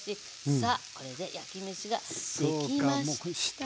さあこれで焼きめしができました。